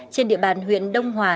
trên địa bàn huyện đông hòa